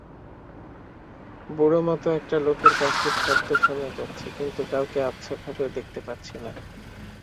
বুড়োমতো একটা লোকের কাশির শব্দ শোনা যাচ্ছে, কিন্তু কাউকে আবছাভাবেও দেখতে পাচ্ছি না।